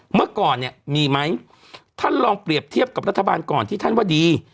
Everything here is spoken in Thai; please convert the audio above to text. เมื่อก่อนเนี่ยมีไหมท่านลองเปรียบเทียบกับรัฐบาลก่อนที่ท่านว่าดี